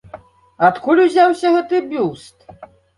Адкуль узяўся гэты бюст?